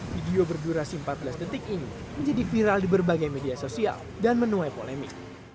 video berdurasi empat belas detik ini menjadi viral di berbagai media sosial dan menuai polemik